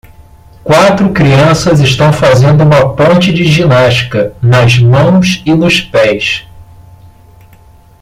Quatro crianças estão fazendo uma ponte de ginástica nas mãos e nos pés.